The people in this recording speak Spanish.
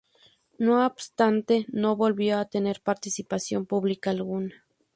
No obstante, no volvió a tener participación pública alguna.